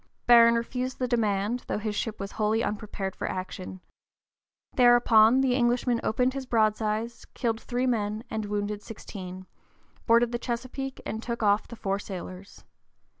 Barron refused the demand, though his ship was wholly unprepared for action. Thereupon the Englishman opened his broadsides, killed three men and wounded sixteen, boarded the Chesapeake and took off the four sailors.